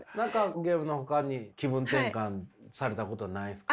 ゲームのほかに気分転換されたことないですか？